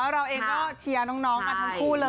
เราเองตั้งแต่เชียร์น้องใหม่ใดทั้งคู่